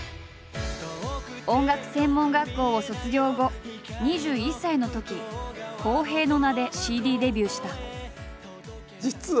音楽専門学校を卒業後２１歳のとき「洸平」の名でＣＤデビューした。